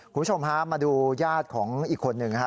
คุณชมฮะมาดูยาดของอีกคนหนึ่งอะโคะ